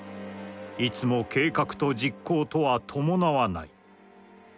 いつも計画と実行とは伴はない。